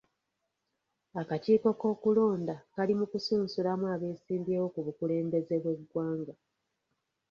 Akakiiko k'okulonda kali mu kusunsulamu abesimbyewo ku bukulembeze bw'eggwanga.